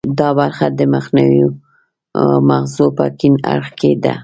دا برخه د مخنیو مغزو په کیڼ اړخ کې ده